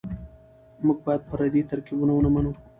موږ بايد پردي ترکيبونه ونه منو.